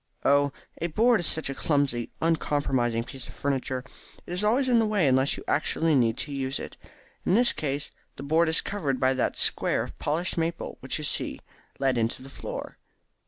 "Oh, a board is such a clumsy uncompromising piece of furniture. It is always in the way unless you actually need to use it. In this case the board is covered by that square of polished maple which you see let into the floor.